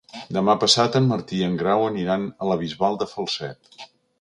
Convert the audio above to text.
Demà passat en Martí i en Grau aniran a la Bisbal de Falset.